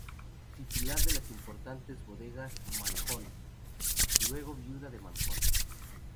Titular de las importantes bodegas Manjón, Luego Viuda de Manjón.